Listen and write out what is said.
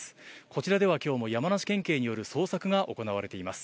こちらでは今日も山梨県警による捜索が行われています。